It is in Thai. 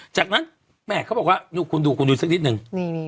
จากนั้นแม่เขาบอกว่าคุณดูคุณดูสักนิดนึง